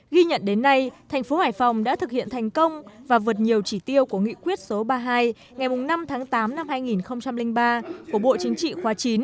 ghi nhận đến nay thành phố hải phòng đã thực hiện thành công và vượt nhiều chỉ tiêu của nghị quyết số ba mươi hai ngày năm tháng tám năm hai nghìn ba của bộ chính trị khóa chín